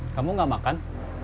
kamu gak makan